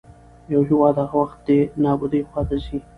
يـو هېـواد هـغه وخـت دې نـابـودۍ خـواتـه ځـي.